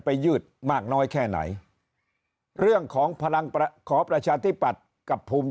ยืดมากน้อยแค่ไหนเรื่องของพลังขอประชาธิปัตย์กับภูมิ